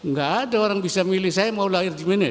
nggak ada orang bisa milih saya mau lahir di mana